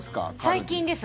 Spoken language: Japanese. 最近です。